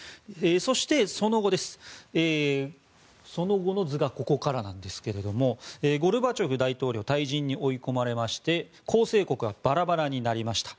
そして、その後の図がここからなんですけれどもゴルバチョフ大統領は退陣に追い込まれまして構成国がバラバラになりました。